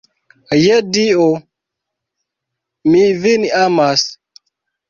Je Dio, mi vin amas.